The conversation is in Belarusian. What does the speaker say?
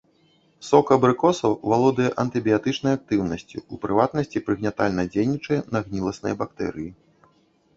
Сок абрыкосаў валодае антыбіятычнай актыўнасцю, у прыватнасці, прыгнятальна дзейнічае на гніласныя бактэрыі.